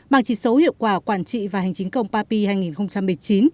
bằng chỉ số hiệu quả quản trị và hành chính công papi hai nghìn một mươi chín